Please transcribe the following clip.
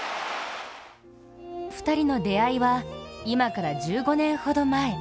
２人の出会いは、今から１５年ほど前。